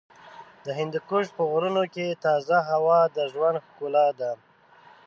د هندوکش په غرونو کې تازه هوا د ژوند ښکلا ده.